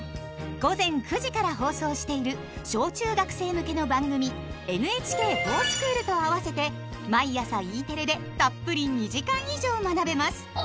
午前９時から放送している小・中学生向けの番組「ＮＨＫｆｏｒＳｃｈｏｏｌ」と合わせて毎朝Ｅテレでたっぷり２時間以上学べます。